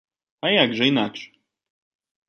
А як жа інакш.